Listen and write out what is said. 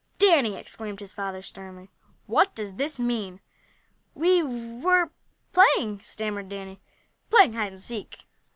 "Danny!" exclaimed his father sternly, "what does this mean?" "We were playing!" stammered Danny. "Playing hide and seek."